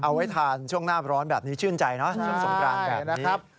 เอาไว้ทานช่วงหน้าร้อนแบบนี้ชื่นใจเนอะช่วงสงกรานแบบนี้นะครับ